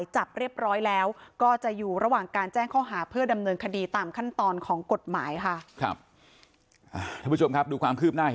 ใช่อยากไม่ยอมค่ะ